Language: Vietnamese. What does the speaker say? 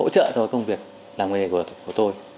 làm nghề này của tôi